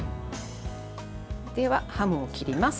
では、ハムを切ります。